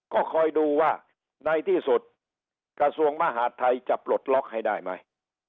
ก็คอยดูว่าในที่สุดกระทรวงมหาดไทยจะปลดล็อกให้ได้ไหม